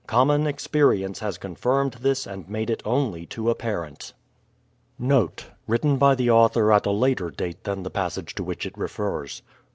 Common ex perience has confirmed this and made it only too apparent.* * Note (written by the author at a later date than the passage to which it refers).